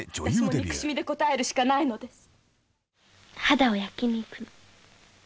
「肌を焼きに行くの」